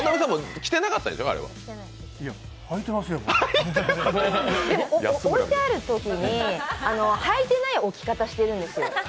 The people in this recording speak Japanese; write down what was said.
置いてあるときに、はいてない置き方してあるんです。